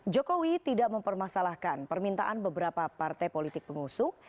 jokowi tidak mempermasalahkan permintaan beberapa partai politik pengusung